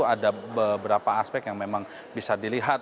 ada beberapa aspek yang memang bisa dilihat